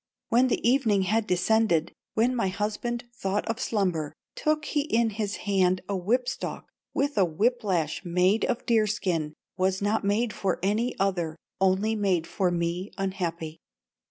"When the evening had descended, When my husband thought of slumber Took he in his hand a whip stalk, With a whip lash made of deer skin, Was not made for any other, Only made for me unhappy.